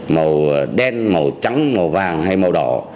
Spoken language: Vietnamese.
màu đen màu trắng màu vàng hay màu đỏ